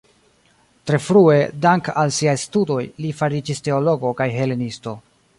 Tre frue, dank'al siaj studoj, li fariĝis teologo kaj helenisto.